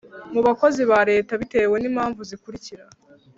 mu bakozi ba leta, bitewe n’impamvu zikurikira: